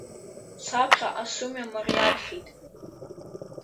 Саԥхьаҟа сымҩа мариамхеит…